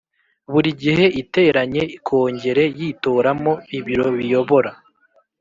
Buri gihe iteranye Kongere yitoramo ibiro biyobora